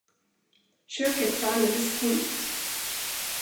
Köket var alldeles tomt.